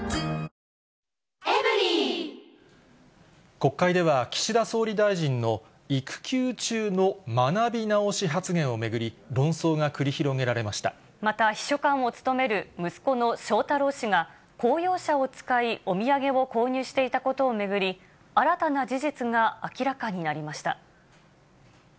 国会では、岸田総理大臣の育休中の学び直し発言を巡り、論争が繰り広げられまた、秘書官を務める息子の翔太郎氏が、公用車を使い、お土産を購入していたことを巡り、新たな事実が明らかになりました。